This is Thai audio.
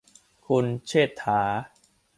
คุณเชษฐา